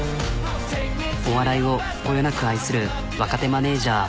お笑いをこよなく愛する若手マネジャー